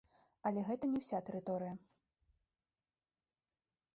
Але гэта не ўся тэрыторыя.